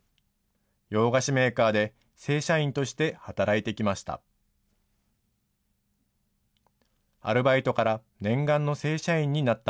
洋菓子メーカーで正社員として働いてきました。